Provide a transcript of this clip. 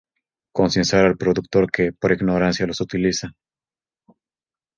Concienciar al productor que, por ignorancia los utiliza.